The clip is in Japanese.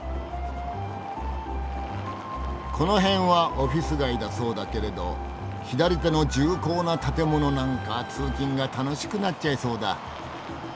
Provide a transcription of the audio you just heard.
この辺はオフィス街だそうだけれど左手の重厚な建物なんか通勤が楽しくなっちゃいそうだ。